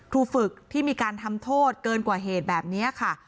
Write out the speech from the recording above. ครูฝึกที่มีการทำโทษเกินกว่าเหตุแบบนี้ค่ะ